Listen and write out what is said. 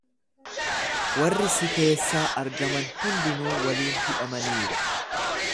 Warri si keessaa argaman hundinuu waliin hidhamaniiru.